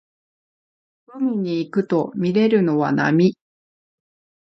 海に行くとみれるのは波